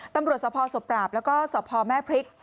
ตำรวจสภสบปราบแล้วก็สพแม่พริก